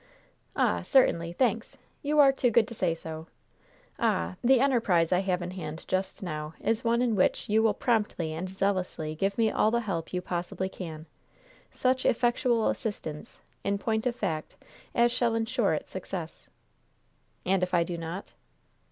"Ah! Certainly! Thanks! You are too good to say so! Ah the enterprise I have in hand just now is one in which you will promptly and zealously give me all the help you possibly can such effectual assistance, in point of fact, as shall insure its success." "And if I do not?"